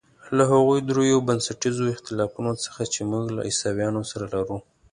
له هغو درېیو بنسټیزو اختلافونو څخه چې موږ له عیسویانو سره لرو.